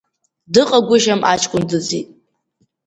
Дыҟагәышьам, аҷкәын дыӡит.